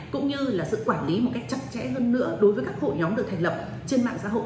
cũng như là sự quản lý một cách chặt chẽ hơn nữa đối với các hội nhóm được thành lập trên mạng xã hội